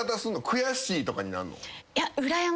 悔しいとかになんの？